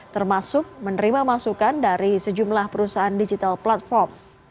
termasuk menerima masukan dari sejumlah perusahaan digital platform